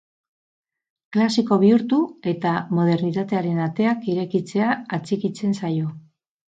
Klasiko bihurtu, eta modernitatearen ateak irekitzea atxikitzen zaio.